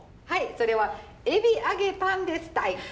はいそれはエビ揚げパンですたい！